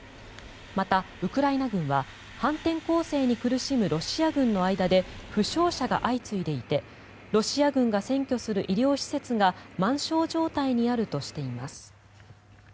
また、ウクライナ軍は反転攻勢に苦しむロシア軍の間で負傷者が相次いでいてロシア軍が占拠する医療施設が満床状態にあるとしています。